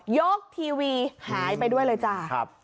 กทีวีหายไปด้วยเลยจ้า